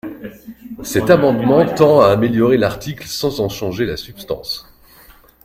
Cet amendement tend à améliorer l’article sans en changer la substance.